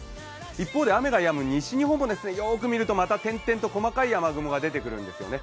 一方で雨がやむ西日本もよく見ると、点々と細かい雨雲が出てくるんですよね。